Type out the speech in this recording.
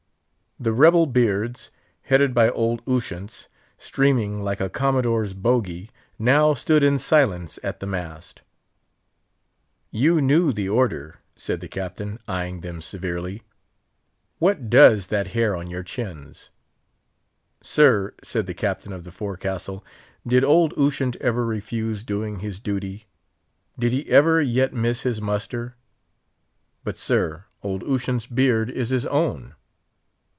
The rebel beards, headed by old Ushant's, streaming like a Commodore's bougee, now stood in silence at the mast. "You knew the order!" said the Captain, eyeing them severely; "what does that hair on your chins?" "Sir," said the Captain of the Forecastle, "did old Ushant ever refuse doing his duty? did he ever yet miss his muster? But, sir, old Ushant's beard is his own!"